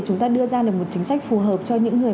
chúng ta đưa ra được một chính sách phù hợp cho những người